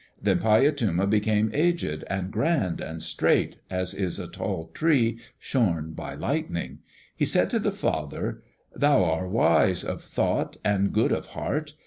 Then Paiyatuma became aged and grand and straight, as is a tall tree shorn by lightning. He said to the father: "Thou are wise of thought and good of heart.